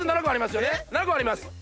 ７個あります。